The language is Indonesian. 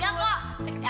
sekarang gue pakein ya